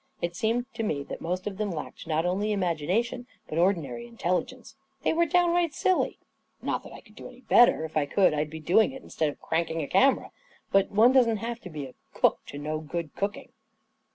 It seemed to me that most of them lacked not only imagination, but ordinary intelligence. They were downright silly. Not that I could do any better — if I could, I'd be doing it instead of jranking a camera. But one doesn't have to be a to know good cooking